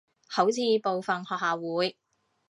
好似部份學校會